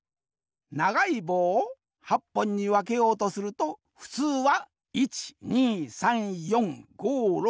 ながいぼうを８ぽんにわけようとするとふつうは１２３４５６７回きらねばならん。